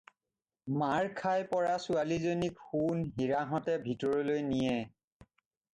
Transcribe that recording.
মাৰ খাই পৰা ছোৱালীজনীক সোণ, হীৰাহঁতে ভিতৰলৈ নিয়ে।